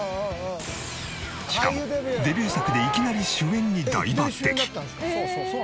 しかもデビュー作でいきなり主演に大抜擢！